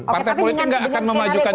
partai politik nggak akan memajukan